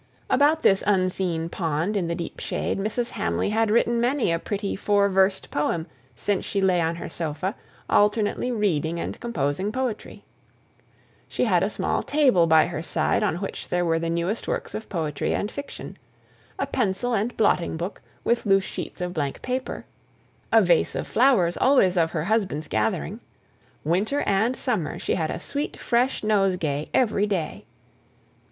About this unseen pond in the deep shade Mrs. Hamley had written many a pretty four versed poem since she lay on her sofa, alternately reading and composing verse. She had a small table by her side on which there were the newest works of poetry and fiction; a pencil and blotting book, with loose sheets of blank paper; a vase of flowers always of her husband's gathering; winter and summer, she had a sweet fresh nosegay every day.